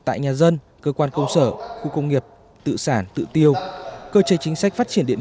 tại nhà dân cơ quan công sở khu công nghiệp tự sản tự tiêu cơ chế chính sách phát triển điện